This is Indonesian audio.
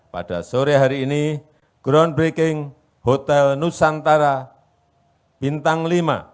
pada sore hari ini groundbreaking hotel nusantara bintang lima